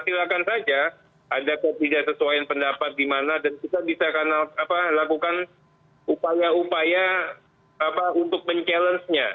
silakan saja ada ketidaksesuaian pendapat di mana dan kita bisa lakukan upaya upaya untuk mencabar